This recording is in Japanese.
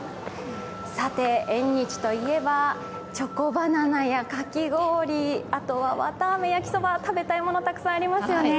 さて、縁日といえば、チョコバナナや、かき氷、あとは綿あめ、焼きそば食べたいものたくさんありますよね。